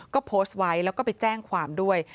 ก็โพสต์ไว้แล้วก็ไปแจ้งความด้วย